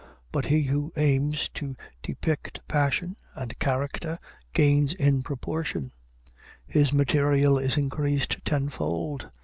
But he who aims to depict passion and character gains in proportion; his material is increased tenfold.